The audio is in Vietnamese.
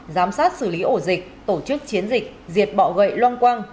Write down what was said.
giám sát xử lý ổ dịch tổ chức chiến dịch diệt bọ gậy loang quang